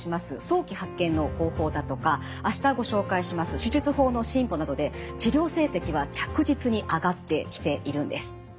早期発見の方法だとか明日ご紹介します手術法の進歩などで治療成績は着実に上がってきているんです。